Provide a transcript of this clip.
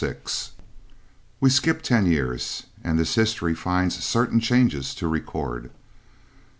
We skip ten years and this history finds certain changes to record.